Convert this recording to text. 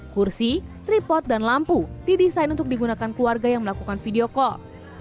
kursi tripot dan lampu didesain untuk digunakan keluarga yang melakukan video call